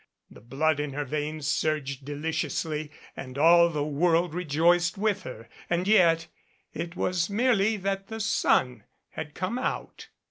The blood in her veins surged de liciously, and all the world rejoiced with her. And yet it was merely that the sun had come out.